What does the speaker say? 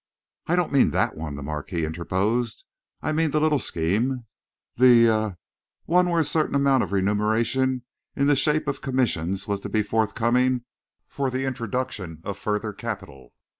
"I don't mean that one," the Marquis interposed. "I mean the little scheme, the er one where a certain amount of remuneration in the shape of commission was to be forthcoming for the introduction of further capital.